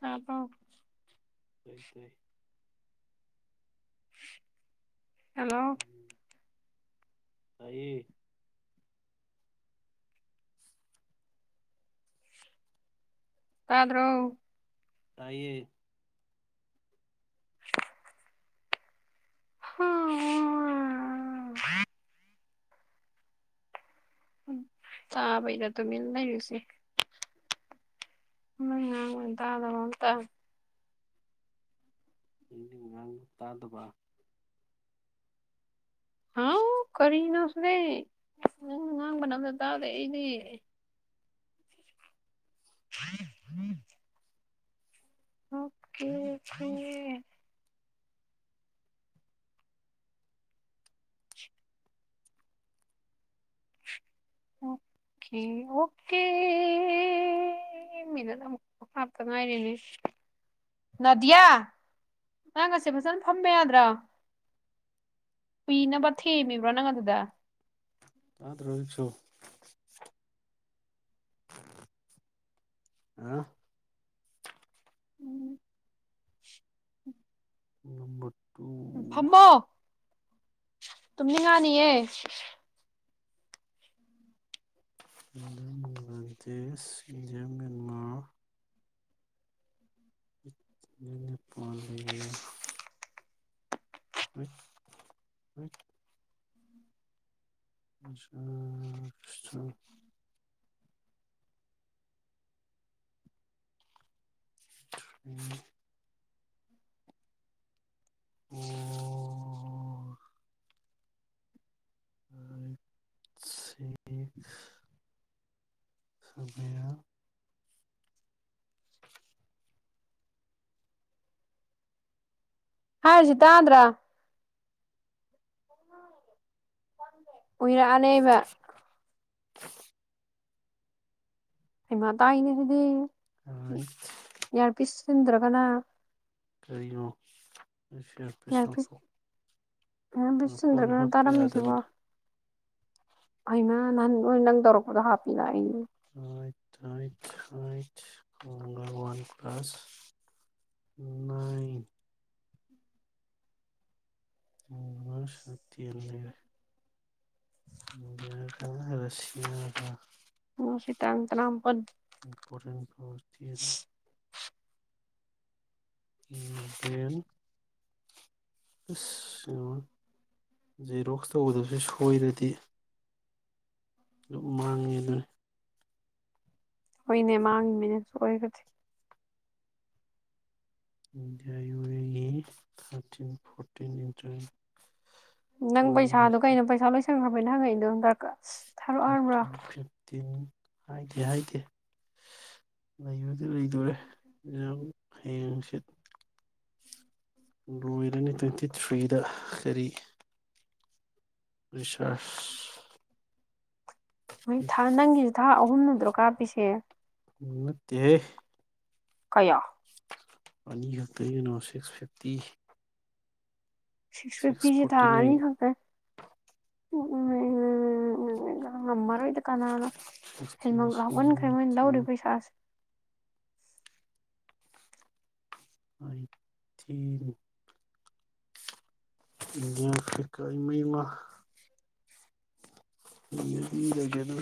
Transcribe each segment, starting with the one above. ꯍꯥꯥ ꯄꯥꯎ ꯇꯥꯏ ꯇꯥꯏ [inaudible] ꯍꯜꯂꯣ ꯑꯩꯌꯦ ꯇꯥꯗ꯭ꯔꯣ ꯇꯥꯏꯌꯦ ꯍ ꯆꯥ ꯄꯩꯗ ꯇ ꯃꯤ ꯂꯩꯔꯨꯁꯤꯦ ꯎꯝ ꯇ ꯑꯗꯕꯇ ꯏ ꯉꯥꯡ ꯇꯥꯗꯨꯕ ꯍꯥꯎ ꯀꯔꯤ ꯅ ꯁꯤꯨꯗ ꯉꯥꯡꯅꯗ ꯇꯥꯗꯗꯤ [unintelligible] ꯑꯣꯀꯦ ꯐꯦ ꯑꯣꯀꯦ ꯑꯣꯀꯦ ꯃꯤꯅꯠ ꯑꯃꯨꯛ ꯍꯥꯞꯇ ꯉꯥꯏꯔꯤꯅꯦ ꯅꯥꯗꯤꯌꯥ ꯅꯪ ꯑꯁꯦ ꯐꯖꯅ ꯐꯝꯕ ꯌꯥꯗ꯭ꯔꯥ ꯀꯨꯏꯅꯕ ꯊꯦꯝꯃꯤꯕ꯭ꯔꯣ ꯅꯪ ꯑꯗꯨꯗ ꯑꯥ꯭ꯔꯣꯕꯤꯁꯨ [unintelligible] ꯎꯝ [unintelligible] ꯐꯝꯕꯣ ꯇꯝꯅꯤꯉꯥꯅꯤꯌꯦ ꯂꯟ ꯕꯪꯒ꯭ꯂꯥꯗꯦꯁ ꯖꯝ ꯃꯦꯟꯃꯥꯔ ꯐꯣꯜ ꯂꯩ [unintelligible] ꯎꯝ ꯎꯝ [unintelligible] [unintelligible] ꯍꯥꯖꯤꯇꯥꯗ꯭ꯔꯥ [unintelligible] ꯎꯏꯔꯛꯑꯅꯦꯕ [unintelligible] ꯑꯩꯃ ꯇꯥꯏ ꯏꯅꯤ ꯑꯗꯨꯗꯤ ꯑꯥꯏꯠ ꯌꯥꯔꯄꯤꯁ [unintelligible] ꯀꯔꯤꯌꯨ ꯑꯩꯁꯨ ꯏꯌꯥꯔꯄꯤꯁ ꯂꯧꯊꯣꯛ ꯏꯌꯥꯔꯄꯤꯁ ꯐꯣꯟ ꯍꯥꯞꯄ ꯌꯥꯗꯕꯅꯤ ꯑꯃ ꯅꯥꯟ ꯏꯟꯪ ꯇꯧꯔꯛꯄꯗ ꯍꯥꯄꯤꯗ ꯏ ꯍ ꯍ ꯍ ꯋꯥꯟ ꯀ꯭ꯂ꯭ꯂꯥꯁ ꯅꯥꯏꯟ ꯑꯣ ꯁꯠꯇ ꯑꯅ ꯃ ꯀ ꯔꯁꯤꯌꯥꯒ [unintelligible] ꯁꯤ ꯇꯪ ꯇꯅꯥꯝ ꯄ [unintelligible] ꯏꯄꯣꯔꯦꯟ ꯐꯁꯇꯦꯜ [unintelligible] ꯗꯦꯟ ꯑꯁ ꯖꯦꯔꯣꯛꯁ ꯇ ꯎꯗꯕꯁꯨ ꯁꯣꯏꯔꯗꯤ ꯑꯗꯨ ꯃꯥꯡꯉꯦ ꯑꯗꯨꯅ ꯍꯣꯏꯅꯦ ꯃꯥꯡꯉꯤꯃꯤꯅꯁꯨ ꯑꯣꯏꯈꯗꯤ ꯏꯟꯗꯤꯌꯨꯔꯤꯒꯤ ꯊꯥꯔꯇꯤꯟ ꯐꯣꯔꯇꯤꯟ ꯏꯟꯇꯔ ꯅꯪ ꯄꯩꯁꯥꯗꯨꯣ ꯀꯩꯅꯣ ꯄꯩꯁꯥ ꯂꯣꯏꯁꯟꯈ꯭ꯔꯕ ꯅ ꯍꯉꯩ ꯅ ꯐꯤꯟ ꯐ ꯇꯤꯟ ꯍꯥꯏꯗꯦ ꯍꯥꯏꯗꯦ ꯂꯩꯕꯗꯤ ꯂꯩꯗꯣꯔꯦ ꯌꯥꯝ ꯍꯌꯦ ꯅꯨꯡꯁꯤꯠ ꯂꯣꯏꯔꯅꯤ ꯇ꯭ꯋꯦꯟꯇꯤ ꯊ꯭ꯔꯤꯗ ꯀꯔꯤ ꯑ [unintelligible] ꯃꯣꯏ ꯊꯥ ꯅꯪꯒꯤꯁꯤꯦ ꯊꯥ ꯅꯠꯇ꯭ꯔꯣ ꯀꯥ ꯄꯁꯦ ꯎꯠꯇꯦ ꯀꯌꯥ ꯑꯅꯤ ꯈꯛꯇꯅꯣ ꯁꯤꯛꯁ ꯐꯤꯐꯇꯤ ꯁꯤꯛꯁ ꯐꯤꯐꯇꯤꯁꯤ ꯐꯣꯔꯇꯤ ꯊꯥꯅꯤ ꯅꯥꯏꯟ ꯈꯪꯗ ꯎꯝ ꯉꯃꯔ ꯀꯅꯥꯅ ꯍꯦꯟꯃ ꯂꯞꯃꯟꯈ꯭ꯔꯦ ꯃꯣꯏꯅ ꯂꯧꯔꯤꯕ ꯄꯩꯁꯥꯁꯦ ꯍ ꯊ ꯌꯥ ꯐꯤ ꯀꯥꯃꯩ ꯑꯃ ꯒꯔ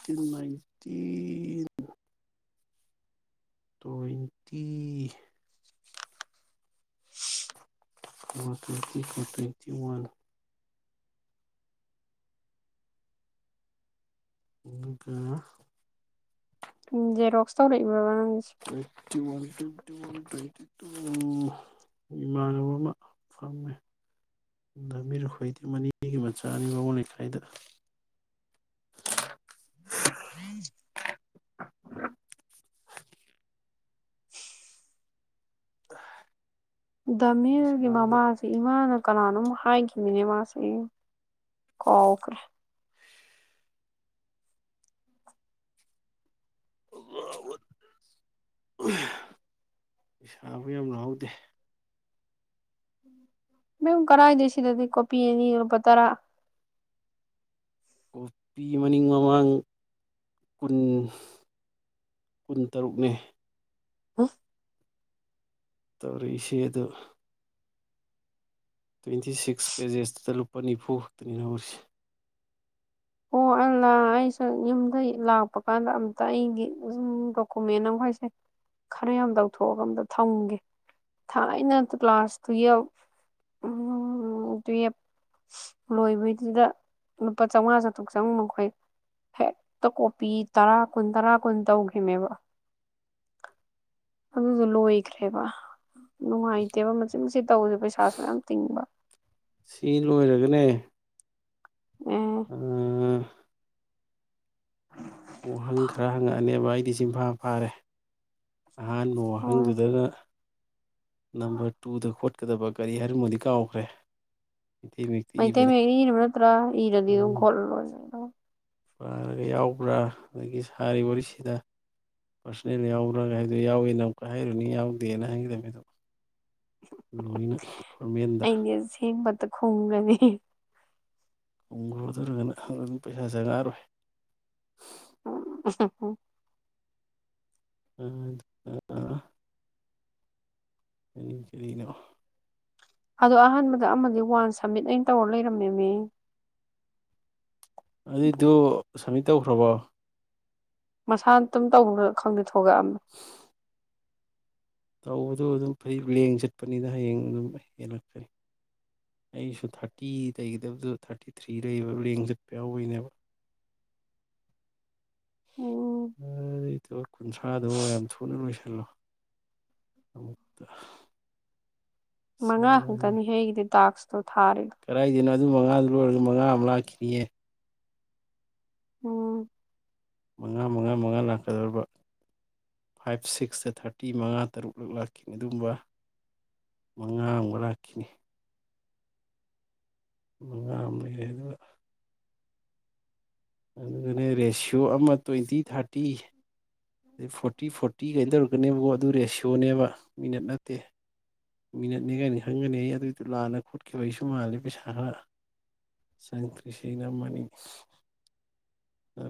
ꯁꯤꯟ ꯃꯥꯏꯇꯤꯟ ꯇ꯭ꯋꯦꯟꯇꯤ ꯋꯥꯇꯣꯏꯇ ꯀꯇꯣꯏꯇ ꯋꯥꯟ ꯑꯗꯨꯒꯀ ꯎꯝ ꯖꯦꯔꯣꯛꯁ ꯇꯧꯔꯛꯏꯕ ꯇ꯭ꯋꯦꯟꯇꯤ ꯋꯥꯟ ꯇ꯭ꯋꯦꯟꯇꯤ ꯋꯥꯟ ꯇ ꯏꯃꯥꯟꯅꯕ ꯑꯃ ꯐꯝꯃꯦ ꯂꯝꯕꯤꯔꯈꯣꯏꯗꯤ ꯃꯅꯤꯒꯤ ꯃꯆꯥꯅꯤ ꯃꯉꯣꯟ ꯂꯩꯀꯥꯏꯗ ꯐꯔꯤꯁ ꯑ ꯃꯤꯜꯒꯤ ꯃꯃꯥꯁꯦ ꯏꯃꯥꯅ ꯀꯅꯥꯅ ꯍꯥꯏꯥꯏꯒꯤꯅꯤꯅꯦ ꯃꯥꯁꯤ ꯀ ꯐꯔ ꯄꯩꯁꯥꯕꯨ ꯌꯥꯝ ꯂꯥꯎꯗꯦ ꯃꯦꯝ ꯀꯔꯥꯏꯗ꯭ꯔꯤ ꯁꯤꯗꯗꯤ ꯀꯣꯄꯤꯤ ꯑꯅꯤ ꯂꯨꯄꯥ ꯇꯔꯥ ꯀꯣꯄꯤꯤ ꯃꯅꯤꯡ ꯃꯃꯥꯡ ꯀꯨꯟ ꯀꯨꯟꯇꯔꯨꯛꯅꯦ ꯍ ꯇꯧꯔꯤ ꯏꯁꯤꯦ ꯑꯗꯨ ꯇ꯭ꯋꯦꯟꯇꯤ ꯁꯤꯛꯁ ꯄꯦꯖꯦꯁꯇꯨꯗ ꯂꯨꯄꯥ ꯅꯤꯐꯨ ꯈꯛꯇꯅꯤ ꯍꯧꯔꯤ ꯑꯣ ꯑꯂ ꯑꯩꯁꯨ ꯌꯨꯝꯗꯒꯤꯩ ꯂꯥꯛꯄ ꯀꯥꯟꯗ ꯑꯝꯇ ꯑꯩꯒꯤꯨꯝ ꯗꯣꯀꯨꯃꯦꯟ ꯑꯃꯈꯩꯁꯦ ꯈꯔ ꯌꯥꯝ ꯇꯧꯊꯣꯛꯑꯒ ꯑꯝꯇ ꯊꯝꯒꯦ ꯊꯥꯏꯅ ꯀ꯭ꯂꯥꯁ ꯇꯨꯌꯦꯜꯐ ꯇꯨꯌꯦꯜꯐ ꯂꯣꯏꯕꯩꯗꯨꯗ ꯂꯨꯄꯥ ꯆꯥꯝꯃꯉꯥ ꯆ ꯆꯪ ꯃꯈꯣꯏ ꯍꯦꯛꯇ ꯀꯣꯄꯤ ꯇꯔꯥ ꯀꯨꯟ ꯇꯔꯥ ꯀꯨꯟ ꯇꯧꯈꯤꯕꯅꯦꯕ ꯑꯗꯨꯁꯨ ꯂꯣꯏꯈ꯭ꯔꯦꯕ ꯅꯨꯡꯉꯥꯏꯇꯦꯕ ꯃꯁꯤꯆ ꯃꯆ ꯇꯧꯁꯦ ꯄꯩꯁꯥꯁꯨ ꯃꯌꯥꯝ ꯇꯤꯡꯕ ꯑꯦ ꯎꯝ ꯋꯥꯍꯪ ꯈꯔ ꯍꯪꯉꯛꯑꯅꯦ ꯚꯥꯏ ꯂꯤ ꯆꯤꯡꯐꯥ ꯐꯥꯔꯦ ꯑꯍꯥꯟꯕ ꯍꯣꯏ ꯋꯥꯍꯪꯗꯨꯗ ꯅꯝꯕꯔ ꯇꯨꯗ ꯀꯗꯕꯛ ꯀꯔꯤ ꯍꯥꯏꯦ ꯃꯣꯗꯤ ꯀꯥꯎꯈ꯭ꯔꯦ ꯃꯩꯇꯩ ꯃꯌꯦꯛꯇ ꯃꯩꯇꯩ ꯏꯕꯅꯤ ꯃꯌꯦꯛꯅ ꯏꯔꯕ ꯅꯠꯇ꯭ꯔꯥ ꯏꯔꯗꯤ ꯑꯗꯨꯝ ꯎꯝ ꯈꯣꯠꯂ ꯂꯣꯏꯅꯤꯝ ꯄꯥꯔꯒ ꯌꯥꯎꯕ꯭ꯔꯥ ꯑꯗꯒꯤ ꯁꯥꯔꯤꯕ ꯋꯥꯔꯤꯁꯤꯗ ꯄꯥꯔꯁꯣꯅꯦꯜ ꯌꯥꯎꯕ꯭ꯔꯥꯒ ꯍꯥꯏꯗ ꯌꯥꯎꯏꯤ ꯅ ꯑꯃꯨꯛꯀ ꯍꯥꯏꯔꯨꯅꯤ ꯌꯥꯎꯗꯦꯅ ꯍꯥꯏꯒꯗꯕꯃꯤꯗꯣ ꯑꯩꯅꯦ ꯑꯁꯦꯡꯕꯇ ꯈꯣꯡꯒꯅꯤ ꯈꯣꯡꯒꯨꯗꯔꯒꯅ ꯑꯗꯨꯝ ꯄꯩꯁꯥꯁꯦ ꯉꯥꯔꯣꯏ ꯎ ꯑ ꯑ ꯑ ꯀꯔꯤꯅꯣ ꯑꯗꯣ ꯑꯍꯥꯟꯕꯗ ꯑꯃꯗꯤ ꯋꯥꯟ ꯁꯕꯃꯤꯠ ꯑꯩꯅ ꯇꯧꯔ ꯂꯩꯔꯝꯅꯦꯃꯤ ꯑꯗꯨꯗꯗꯨ ꯁꯝꯃꯤꯠ ꯇꯧꯈ꯭ꯔꯕꯣ ꯃꯁꯥꯅ ꯑꯗꯨꯝ ꯇꯧ ꯈꯪꯗ ꯊꯣꯛꯒ ꯇꯧꯕꯗꯣ ꯑꯗꯨꯝ ꯐꯩ ꯂꯦꯡ ꯆꯠꯄꯅꯤꯅ ꯍꯌꯦꯡ ꯑꯗꯨꯝ ꯍꯦꯜꯂꯛꯀꯅꯤ ꯑꯩꯁꯨ ꯊꯥꯔꯇꯤ ꯇꯩꯒꯗꯕꯗ ꯊꯥꯔꯇꯤ ꯊ꯭ꯔꯤ ꯂꯩꯕ ꯂꯦꯡ ꯆꯠꯄ ꯌꯥꯎꯋꯣꯏꯅꯦꯕ ꯎꯝ ꯑꯩꯗꯣ ꯀꯨꯟꯊ꯭ꯔꯥꯗꯣ ꯌꯥꯝ ꯊꯨꯅ ꯂꯣꯏꯁꯤꯜꯂꯣ ꯑꯃꯨꯛꯇ ꯃꯉꯥ ꯁꯦꯝꯃꯅꯤ ꯈꯛꯇꯅꯤ ꯍꯒꯤꯗꯤ ꯗꯥꯛꯁ ꯊꯥꯔꯦ ꯀꯗꯥꯏꯗꯩꯅꯣ ꯑꯗꯨ ꯃꯉꯥꯗꯨ ꯂꯣꯏꯔꯒ ꯃꯉꯥ ꯑꯃ ꯂꯥꯛꯈꯤꯅꯤꯌꯦ ꯎꯝ ꯃꯉꯥ ꯃꯉꯥ ꯃꯉꯥ ꯂꯥꯛꯀꯗꯧꯔꯤꯕ ꯐꯥꯏꯚ ꯁꯤꯛꯁꯇ ꯊꯥꯔꯇꯤ ꯃꯉꯥ ꯇꯔꯨꯛꯂꯛ ꯂꯥꯛꯈꯤꯅꯤ ꯑꯗꯨꯝꯕ ꯃꯉꯥ ꯑꯃꯒ ꯂꯥꯛꯈꯤꯅꯤ ꯃꯉꯥ ꯑꯃ ꯂꯩ ꯍꯥꯏꯗꯨꯅ ꯑꯗꯨꯅꯦ ꯔꯦꯁꯤꯌꯣ ꯑꯃ ꯇ꯭ꯋꯦꯟꯇꯤ ꯊꯥꯔꯇꯤ ꯑꯗꯩ ꯐꯣꯔꯇꯤ ꯐꯣꯔꯇꯤ ꯀꯩ ꯇꯧꯔꯛꯀꯅꯦꯕꯀꯣ ꯑꯗꯨ ꯔꯦꯁꯤꯌꯣꯅꯦꯕ ꯃꯤꯅꯠ ꯅꯠꯇꯦ ꯃꯤꯅꯠꯅꯦ ꯀꯥꯏꯅꯤ ꯈꯪꯒꯅꯤ ꯑꯩ ꯑꯗꯨꯏꯗꯨꯣ ꯂꯥꯟꯅ ꯈꯣꯠꯈꯤꯕ ꯑꯩꯁꯨ ꯃꯥꯜꯂꯦ ꯄꯩꯁꯥ ꯈꯔ ꯆꯪꯈ꯭ꯔꯤꯁ ꯑ ꯅ ꯃꯥꯅꯤ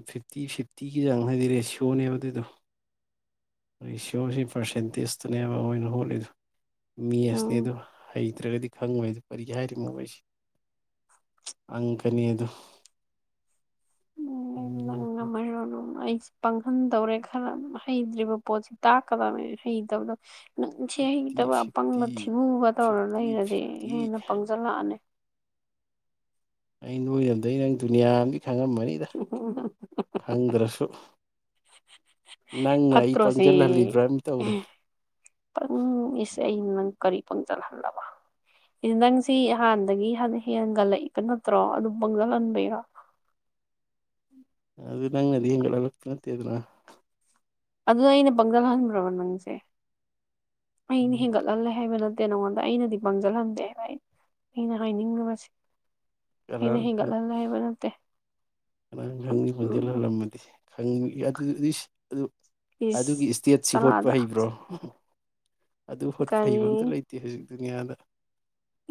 ꯐꯤꯐꯇꯤ ꯐꯤꯐꯇꯤꯒꯤ ꯆꯥꯡ ꯍꯥꯏꯗꯤ ꯔꯦꯁꯤꯌꯣꯅꯦꯕ ꯑꯗꯨꯏꯗꯣ ꯌꯣꯁꯤ ꯄꯁꯤꯁꯤ ꯏꯁꯅꯦꯕꯣꯏ ꯍꯣ [unintelligible] ꯃꯤ ꯑꯁꯅꯦ ꯎꯝ ꯑꯗꯨꯣ ꯍꯩꯇ꯭ꯔꯒꯗꯤ ꯈꯪꯕꯣꯏꯗꯣ ꯀꯔꯤ ꯍꯥꯏꯔꯤꯅꯣ ꯑꯩꯣꯏꯁꯤꯦ ꯑꯪꯀꯅꯤꯗꯣ ꯃꯁ ꯄꯥꯡꯍꯟ ꯇꯧꯔꯦ ꯈꯔ ꯍꯩꯇ꯭ꯔꯤꯕ ꯄꯣꯠꯁꯤ ꯇꯥꯛꯀꯗꯕꯅꯤ ꯍꯩꯇꯕꯗꯣ ꯅꯪ ꯏꯁꯤ ꯍꯩꯇꯕ ꯑꯄꯪꯕ ꯐꯤꯐꯇꯤ ꯊꯤꯃꯨꯒ ꯇꯧꯔ ꯐꯤꯐꯇꯤ ꯂꯩꯔꯗꯤ ꯐꯤꯐꯇꯤ ꯍꯦꯟꯅ ꯄꯪꯁꯤꯜꯂꯛꯑꯅꯤ ꯑꯩ ꯅꯣꯏꯅꯗꯩ ꯅꯪ ꯗꯨꯅꯤꯌꯥ ꯈꯪꯉꯝꯃꯅꯤꯗ ꯈꯪꯗ꯭ꯔꯁꯨ ꯅꯪꯅ ꯑꯩ ꯄꯠꯇ꯭ꯔꯣꯁꯤ ꯄꯪꯁꯤꯜꯍꯜꯂꯤꯕ꯭ꯔꯥ ꯑꯃ ꯇꯧꯔꯦ ꯎꯝ ꯀꯔꯤ ꯄꯪꯁꯤꯜꯍꯟꯂꯕꯗꯤ ꯅꯪꯁꯤ ꯍꯥꯟꯗꯒꯤ ꯍꯥꯟꯅ ꯍꯦꯟꯦꯟꯒꯠꯂꯛꯏꯕ ꯅꯠꯇ꯭ꯔꯣ ꯑꯗꯨꯝ ꯄꯪꯖꯜꯍꯟꯕꯤꯔ ꯑꯗꯨꯗꯉꯗꯤ ꯌꯦꯅꯠꯇꯗꯅ ꯑꯗꯨꯗ ꯑꯩꯅ ꯄꯪꯖꯜꯍꯟꯈ꯭ꯔꯕ ꯅꯪꯁꯦ ꯑꯩꯅ ꯍꯦꯟꯒꯠꯂꯂ ꯍꯥꯏꯦ ꯃꯅ ꯅꯪꯉꯣꯟꯗ ꯑꯩꯅꯗꯤ ꯄꯪꯁꯤꯜꯂꯝꯗꯦ ꯍꯥꯏꯕ ꯑꯩ ꯑꯩꯅ ꯍꯥꯏꯅꯤꯡꯉꯕꯁꯦ ꯀꯔꯥꯡꯈ ꯀꯔꯥꯡꯈꯪꯒꯤ ꯈꯣꯟꯖꯦꯜ ꯍꯜꯂꯝꯃꯗꯤꯁꯦ ꯈꯪ ꯑꯗꯨꯗꯤ ꯑꯗꯨ ꯏꯁ ꯑꯗꯨꯒꯤ ꯏꯁꯇꯦꯠꯁꯤ ꯍꯣꯠꯄ ꯆꯂꯥꯗ ꯍꯩꯕ꯭ꯔꯣ ꯑꯗꯨ ꯍꯣꯠ ꯐꯩꯕ ꯑꯝꯇ ꯂꯩꯇꯦ ꯍꯧꯖꯤꯛ ꯑꯗꯨꯅꯤꯌꯥꯗ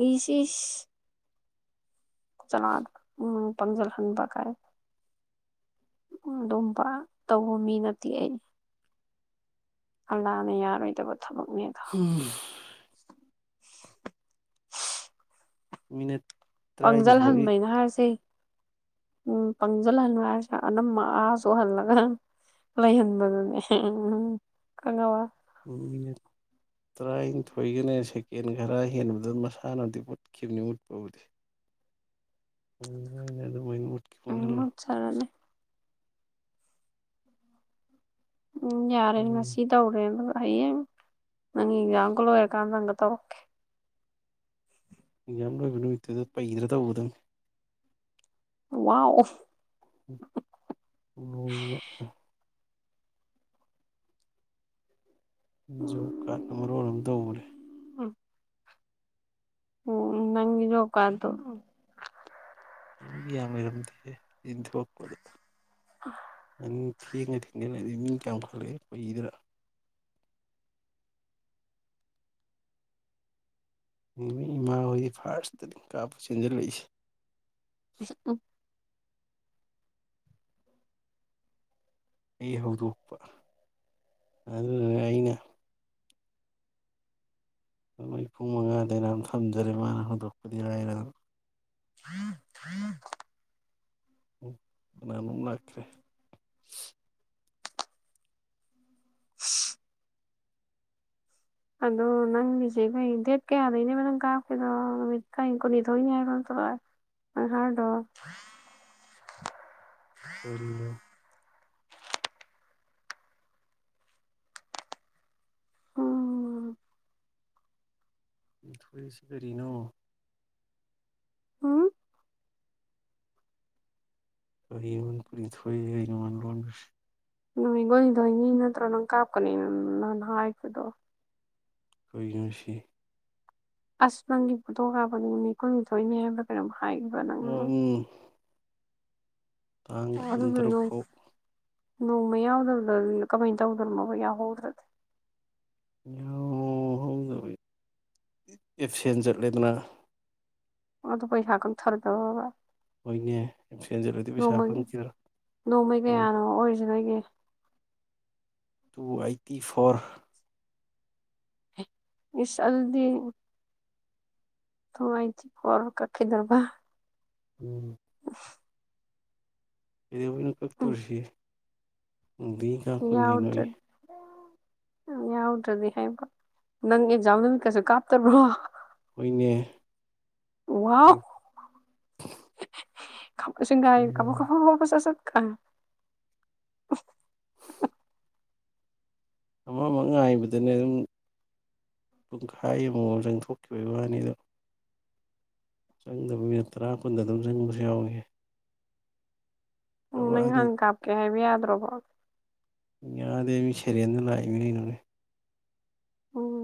ꯏꯁꯤꯤꯁ ꯆꯂ ꯎꯝ ꯄꯪꯖꯜ ꯍꯟꯕ ꯀꯥꯏ ꯑꯗꯨꯝ ꯇꯧꯕ ꯃꯤ ꯅꯠꯇꯦ ꯑꯩ ꯑꯜꯥꯅꯦ ꯌꯥꯔ ꯑꯣꯏꯣꯏ ꯇ ꯊꯕꯛꯅꯦꯗ ꯃꯤꯅꯠ ꯄꯥꯡꯖꯜ ꯇꯔꯥꯅꯤꯊꯣꯏ ꯍꯟꯕꯅ ꯍꯥꯏꯔꯁꯦ ꯎꯝ ꯄꯪꯁꯤꯜꯍꯟꯂꯨ ꯍꯥꯏꯁꯦ ꯑꯅꯝꯝꯕ ꯑꯥ ꯁꯣꯛꯍꯜꯂꯒ ꯂꯩꯍꯟꯕꯗꯨꯅꯦ ꯎꯝ ꯎꯝ ꯈꯅꯕ ꯃꯤꯅꯤꯠ ꯇꯔꯥꯅꯤꯊꯣꯏꯒꯅꯦ ꯁꯦꯀꯦꯟ ꯈꯔ ꯍꯦꯟꯕꯗ ꯃꯁꯥꯅꯕꯨꯗꯤ ꯎꯠꯈꯤꯕꯅꯤ ꯃꯠꯄꯕꯨꯗꯤ ꯑꯗꯨ ꯑꯗꯨꯃꯥꯏꯅ ꯃꯨꯠꯈꯤ ꯎ ꯃꯨꯠꯍꯜꯂꯣ ꯃ ꯁꯔ ꯂꯩꯦ ꯎꯝ ꯌꯥꯔꯦꯅꯦ ꯎꯝ ꯉꯁꯤ ꯇꯧꯔꯦ ꯑꯗꯨ ꯍꯌꯦꯟ ꯅꯪꯖꯥꯡꯒꯂ ꯑꯣꯏꯔꯀꯥꯒ ꯇ ꯑꯣꯦ ꯏ ꯌꯥꯝ ꯂꯣꯏꯕ ꯅꯨꯃꯤꯠꯇꯨꯗ ꯄꯩꯗ꯭ꯔꯥ ꯇꯧꯗꯅꯤ ꯋꯥ ꯑꯣ ꯅꯨꯩꯅ ꯖꯣ ꯀꯠ ꯃꯔꯣ ꯑꯃ ꯇ ꯎꯔꯦ ꯎꯝ ꯎꯝ ꯅꯪꯖꯣ ꯀꯥ ꯑꯗꯨꯣ ꯃꯤ ꯌꯥꯝꯔꯝꯗꯤꯦ ꯆꯤꯟ ꯍꯄꯗ ꯑ ꯊꯦꯡꯉ ꯊꯦꯡꯒꯂꯗꯤ ꯃꯤ ꯀꯌꯥꯝꯨꯈꯠꯂꯛꯑꯦ ꯑꯩꯈꯣꯏꯏꯗꯔ ꯏꯃꯥ ꯍꯣꯏꯗꯤ ꯐꯥꯔꯁꯇꯗꯤ ꯀꯥꯞꯄ ꯆꯦꯟꯁꯤꯜꯂꯛꯏꯁꯦ ꯎꯝ ꯑꯩ ꯍꯧꯗꯣꯛꯄ ꯑꯗꯨꯗꯨꯒ ꯑꯩꯅ ꯑꯗꯨꯝ ꯑꯩ ꯄꯨꯡ ꯃꯉꯥꯗꯩꯅ ꯑꯗꯨꯝ ꯊꯝꯖꯔꯦ ꯃꯥꯅ ꯍꯧꯗꯣꯛꯄꯗꯤ ꯍꯥꯏꯔꯦ ꯑꯗꯨ ꯍ ꯍ ꯎ ꯅꯅ ꯂꯥꯛꯈ꯭ꯔꯦ [inaudible] ꯑꯗꯣ ꯅꯪꯒꯤꯁꯦ ꯑꯩꯈꯣꯏ ꯗꯦꯠ ꯀꯌꯥꯗꯅꯦꯕ ꯅꯪ ꯀꯥꯞꯀꯗꯣ ꯅꯨꯃꯤꯠ ꯀ ꯀꯨꯟꯅꯤꯊꯣꯏꯅꯤ ꯍꯥꯏꯕꯍꯔꯗꯣ ꯀꯔꯤꯅꯣ ꯎꯝ ꯊꯨꯏꯁꯦ ꯀꯔꯤꯅꯣ ꯎꯝ ꯑꯩ ꯌꯃ ꯄ ꯊꯣꯏ ꯑꯩ ꯌꯃ ꯂꯣꯟꯁ ꯅꯣꯏꯣꯏꯒꯣꯏꯗꯅꯤ ꯅꯠꯇ꯭ꯔ ꯅꯪ ꯀꯥꯞꯀꯅꯤ ꯅꯪ ꯍꯥꯏꯕꯗꯣ ꯀꯣꯏꯅꯅꯨꯡꯁꯤ ꯑꯁ ꯅꯪꯒꯤ ꯐꯣꯊꯣꯛ ꯀꯥꯞꯄꯗꯨ ꯃꯤꯠ ꯀꯨꯟꯅꯤ ꯊꯣꯛꯏꯅꯦ ꯍꯥꯏꯕ ꯀꯩꯅꯝ ꯍꯥꯏꯕ ꯅ ꯑꯣ ꯎꯝ ꯇꯥꯡ ꯀꯨꯟꯇꯔꯨꯛ ꯅꯣꯡ ꯐꯧ ꯅꯣꯡꯃ ꯌꯥꯎꯗꯕꯗꯗꯤ ꯀꯃꯥꯏꯅ ꯇꯧꯗꯣꯏꯃꯣꯕ ꯌꯥꯎꯍꯧꯗ꯭ꯔꯗꯤ ꯑꯦꯞꯁꯦꯟ ꯆꯠꯂꯦꯗꯅ ꯑꯗꯨ ꯄꯩꯁꯥ ꯀ ꯊꯔꯗꯕꯕ ꯍꯣꯏꯅꯦ ꯑꯦꯞꯁꯦꯟ ꯆꯠꯂꯗꯤ ꯄꯩꯁꯥ ꯅꯣꯡꯃ ꯐꯪꯈꯤꯗ꯭ꯔꯥ ꯅꯣꯡꯃꯩ ꯀꯌꯥꯅꯣ ꯑꯣꯏꯔꯤꯁꯤ ꯅꯣꯏꯒꯤ ꯇꯨ ꯑꯩꯠꯇꯤ ꯐꯣꯔ ꯏꯁ ꯑꯗꯨꯗꯤ ꯊꯨꯡ ꯑꯩꯥꯏ ꯊ ꯐꯔ ꯀꯛꯈꯤꯗꯕ ꯎꯝ ꯀꯩꯗ ꯑꯣꯏꯅ ꯎꯝ ꯀꯛꯇꯣꯔꯤꯁꯤ ꯅꯨꯡꯗꯤꯒꯤ ꯀꯛꯄꯅꯤ ꯅꯣꯏ ꯌꯥꯎꯗ꯭ꯔꯗꯤ ꯌꯥꯎꯗ꯭ꯔꯗꯤ ꯍꯥꯏꯕ ꯅꯪꯒꯤꯖꯝ ꯅꯨꯃꯤ ꯀꯩꯁꯨ ꯀꯥꯞꯇꯕ꯭ꯔꯣ ꯍꯣꯏꯅꯦ ꯋꯥꯎ [unintelligible] [unintelligible] ꯑꯃ ꯑꯃ ꯉꯥꯏꯕꯗꯅ ꯑꯗꯨꯝ ꯄꯨꯡꯈꯥꯏ ꯑꯃꯃꯝ ꯆꯪꯊꯣꯛꯈꯤꯕꯒꯤ ꯋꯥꯅꯤꯗꯣ ꯆꯪꯗꯕ ꯃꯤꯅꯤꯠ ꯇꯔꯥ ꯀꯨꯟꯗ ꯑꯗꯨꯝ ꯆꯪꯕꯁꯨ ꯌꯥꯎꯏ ꯎꯝ ꯀꯛꯂꯛꯑꯗꯤ ꯅꯪꯍꯪ ꯀꯥꯞꯀꯦ ꯍꯥꯏꯕ ꯌꯥꯗ꯭ꯔꯣꯕꯣ ꯌꯥꯗꯦ ꯃꯤ ꯁꯦꯔꯤꯑꯦꯜꯗ ꯂꯥꯛꯏꯃꯤ ꯀꯩꯅꯣꯅꯦ ꯎꯝ